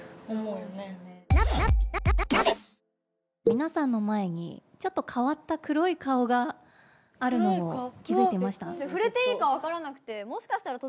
皆さんの前にちょっと変わった黒い顔があるのを気付いてました？